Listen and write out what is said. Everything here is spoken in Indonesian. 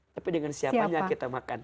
tapi dengan siapanya kita makan